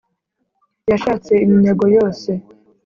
yashatse iminyago yose